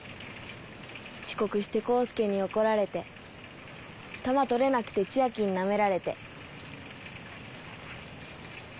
遅刻して功介に怒られて球捕れなくて千昭にナメられて。